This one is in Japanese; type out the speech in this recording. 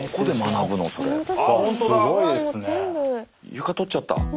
床取っちゃった。